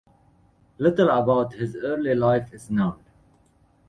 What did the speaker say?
Little about his early life is known.